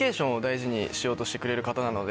しようとしてくれる方なので。